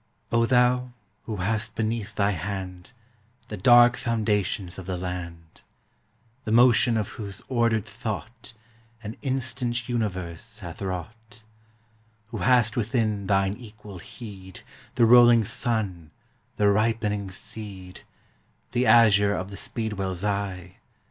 O thou who hast beneath Thy hand The dark foundations of the land, The motion of whose ordered thought An instant universe hath wrought, Who hast within Thine equal heed The rolling sun, the ripening seed, The azure of the speedwell's eye.